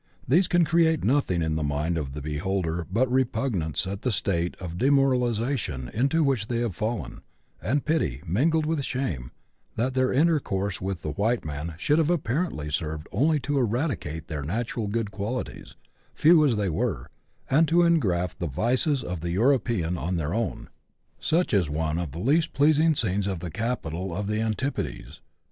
These can create nothing in the mind of the beholder but repugnance at the state of demoralization into which they have fallen, and pity, mingled with shame, that their intercourse with the white man should have apparently served only to eradicate their natural good qualities, few as they were, and to engraft the vices of the European on their own. Such is one of the least pleasing scenes of the capital of the antipodes.